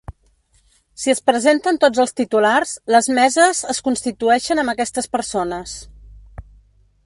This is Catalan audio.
Si es presenten tots els titulars, les meses es constitueixen amb aquestes persones.